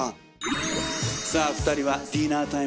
さあ２人はディナータイムだ。